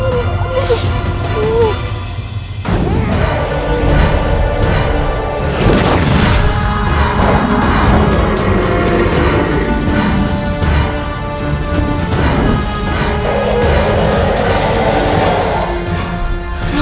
lalu kau mau ngapain